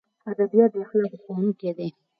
ادبیات د اخلاقو ښوونکي دي.